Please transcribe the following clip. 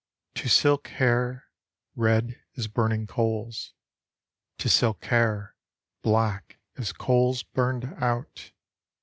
To silk hair, red as burning coals, To silk hair, black as coals burned out.